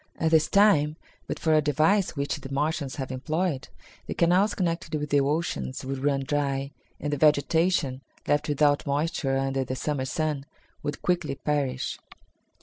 At this time, but for a device which the Martians have employed, the canals connected with the oceans would run dry, and the vegetation, left without moisture under the Summer sun, would quickly perish."